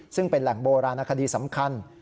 ซึ่งเป็นแหล่งโบราณคดีสำคัญ